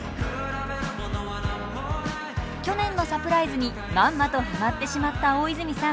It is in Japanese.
去年のサプライズにまんまとハマってしまった大泉さん